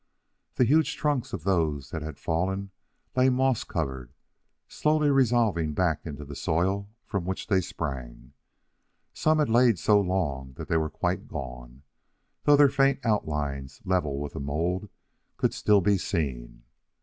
The huge trunks of those that had fallen lay moss covered, slowly resolving back into the soil from which they sprang. Some had lain so long that they were quite gone, though their faint outlines, level with the mould, could still be seen.